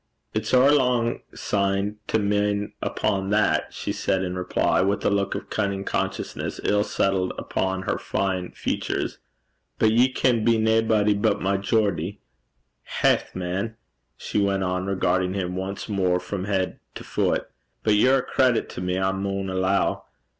'It's ower lang syne to min' upo' that,' she said in reply, with a look of cunning consciousness ill settled upon her fine features. 'But ye can be naebody but my Geordie. Haith, man!' she went on, regarding him once more from head to foot, 'but ye're a credit to me, I maun alloo.